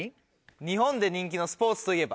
「日本で人気のスポーツといえば？」。